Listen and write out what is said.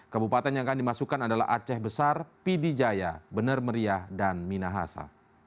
kabupaten yang akan dimasukkan adalah aceh besar pidijaya benar meriah dan minahasa